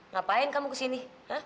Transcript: ngapain kamu kesini